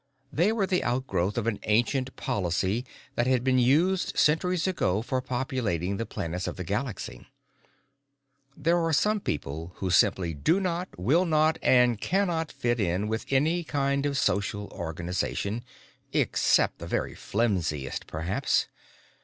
They were the outgrowth of an ancient policy that had been used centuries ago for populating the planets of the galaxy. There are some people who simply do not, will not, and can not fit in with any kind of social organization except the very flimsiest, perhaps.